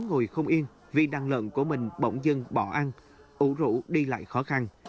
những người không yên vì đàn lợn của mình bỗng dưng bỏ ăn ủ rũ đi lại khó khăn